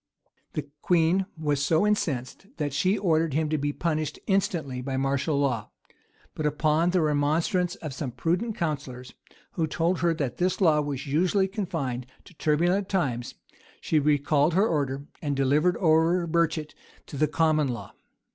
The queen was so incensed, that she ordered him to be punished instantly by martial law; but upon the remonstrance of some prudent counsellors, who told her that this law was usually confined to turbulent times, she recalled her order, and delivered over Burchet to the common law.